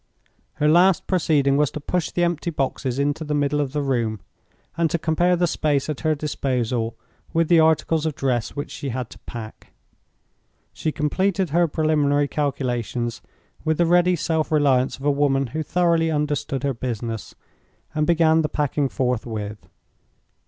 Her last proceeding was to push the empty boxes into the middle of the room, and to compare the space at her disposal with the articles of dress which she had to pack. She completed her preliminary calculations with the ready self reliance of a woman who thoroughly understood her business, and began the packing forthwith.